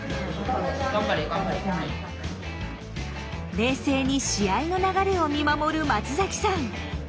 冷静に試合の流れを見守る松さん。